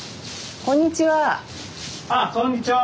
こんにちは。